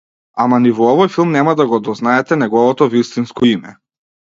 Ама ни во овој филм нема да го дознаете неговото вистинско име.